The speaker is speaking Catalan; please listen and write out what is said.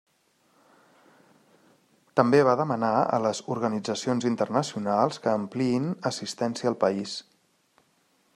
També va demanar a les organitzacions internacionals que ampliïn assistència al país.